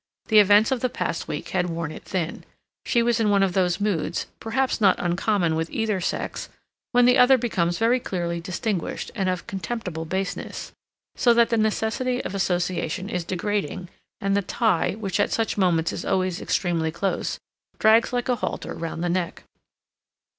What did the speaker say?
The events of the past week had worn it thin. She was in one of those moods, perhaps not uncommon with either sex, when the other becomes very clearly distinguished, and of contemptible baseness, so that the necessity of association is degrading, and the tie, which at such moments is always extremely close, drags like a halter round the neck.